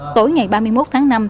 tối ngày ba mươi một tháng năm